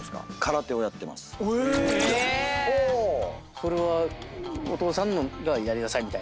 それはお父さんがやりなさいみたいな？